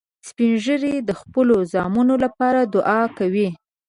سپین ږیری د خپلو زامنو لپاره دعا کوي